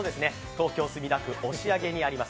東京・墨田区押上にあります